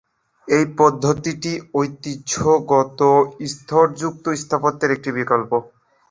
এই পদ্ধতিটি ঐতিহ্যগত স্তরযুক্ত স্থাপত্যের একটি বিকল্প।